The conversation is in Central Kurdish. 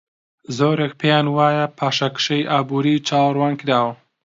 زۆرێک پێیان وایە پاشەکشەی ئابووری چاوەڕوانکراوە.